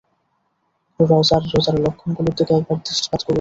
Roger, Roger, লক্ষণগুলোর দিকে একবার দৃষ্টিপাত করুন!